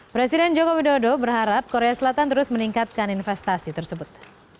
presiden joko widodo berharap korea selatan terus meningkatkan investasi tersebut